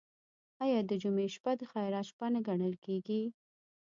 آیا د جمعې شپه د خیرات شپه نه ګڼل کیږي؟